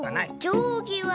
じょうぎは？